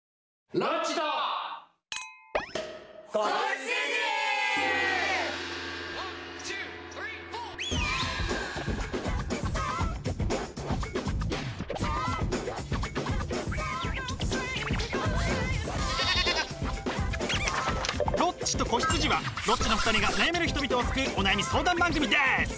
「ロッチと子羊」はロッチの２人が悩める人々を救うお悩み相談番組です！